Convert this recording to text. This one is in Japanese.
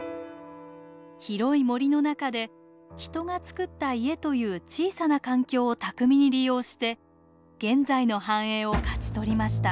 広い森の中で人が造った家という小さな環境を巧みに利用して現在の繁栄を勝ち取りました。